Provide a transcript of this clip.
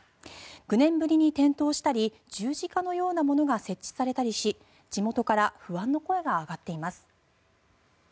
９年ぶりに点灯したり十字架のようなものが設置されたりし地元から不安の声が上がっています。